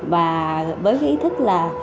và với cái ý thức là